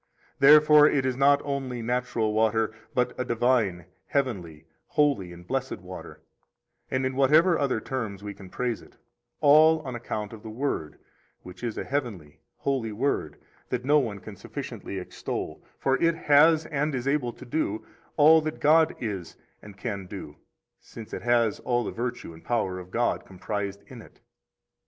Therefore it is not only natural water, but a divine, heavenly, holy, and blessed water, and in whatever other terms we can praise it, all on account of the Word, which is a heavenly, holy Word, that no one can sufficiently extol, for it has, and is able to do, all that God is and can do [since it has all the virtue and power of God comprised in it].